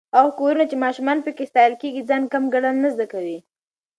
هغه کورونه چې ماشومان پکې ستايل کېږي، ځان کم ګڼل نه زده کوي.